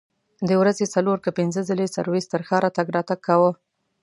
د ورځې څلور که پنځه ځلې سرویس تر ښاره تګ راتګ کاوه.